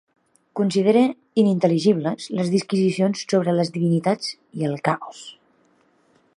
Considere inintel·ligibles les disquisicions sobre les divinitats i el caos.